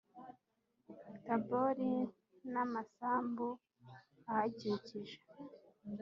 Tabori n’amasambu ahakikije